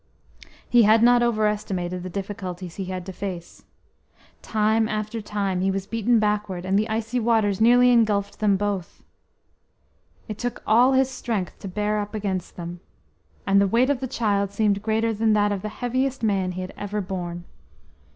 He had not over estimated the difficulties he had to face. Time after time he was beaten backward, and the icy waters nearly engulfed them both. It took all his strength to bear up against them, and the weight of the child seemed greater than that of the heaviest man he had ever borne.